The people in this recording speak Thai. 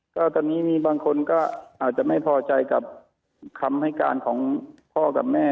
ก็ตอนนี้มีบางคนก็อาจจะไม่พอใจกับคำให้การของพ่อกับแม่